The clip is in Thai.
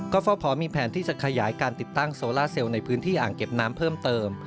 ก็ฟพมีแผนที่จะขยายการติดตั้งโซล่าเซลล์ในพื้นที่อ่างเก็บน้ำเพิ่มเติม